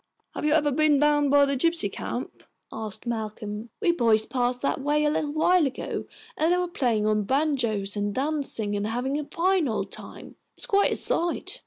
"Have you ever been down by the gypsy camp?" asked Malcolm. "We boys passed that way a little while ago, and they were playing on banjos and dancing, and having a fine old time. It's quite a sight."